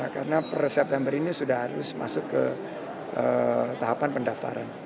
karena per september ini sudah harus masuk ke tahapan pendaftaran